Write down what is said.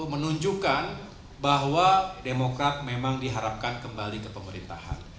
menunjukkan bahwa demokrat memang diharapkan kembali ke pemerintahan